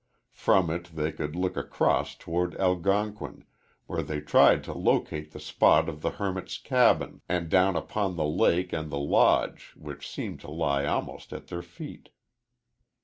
From it they could look across toward Algonquin, where they tried to locate the spot of the hermit's cabin, and down upon the lake and the Lodge, which seemed to lie almost at their feet.